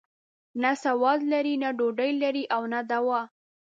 نه سواد لري، نه ډوډۍ لري او نه دوا.